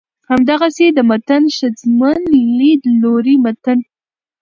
همدغسې د متن ښځمن ليدلورى متن